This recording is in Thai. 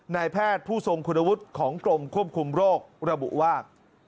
นายแพทย์ผู้ทรงคุณวุฒิของกรมควบคุมโรคระบุว่า